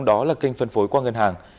đó là kênh phân phối qua ngân hàng